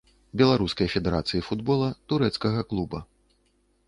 Беларускай федэрацыі футбола, турэцкага клуба.